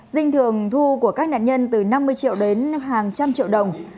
dinh thường thu của các nạn nhân từ năm mươi triệu đến hàng trăm triệu đồng